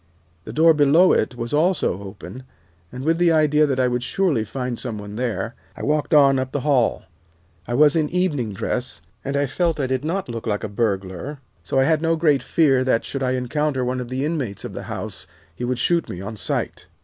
The door below it was also open, and with the idea that I would surely find some one there, I walked on up the hall. I was in evening dress, and I felt I did not look like a burglar, so I had no great fear that, should I encounter one of the inmates of the house, he would shoot me on sight.